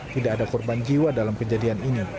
tidak ada korban jiwa dalam kejadian ini